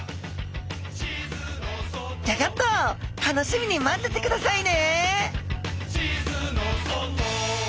ギョギョッと楽しみにまっててくださいね！